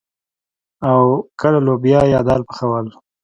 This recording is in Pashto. او کله لوبيا يا دال پخول.